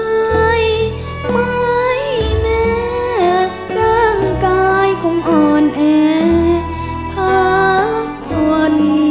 เหนื่อยไหมแม้ร่างกายคงอ่อนแอพักอ่อนบ้างไหม